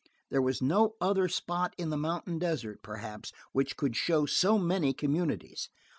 There was no other spot in the mountain desert, perhaps, which could show so many communities.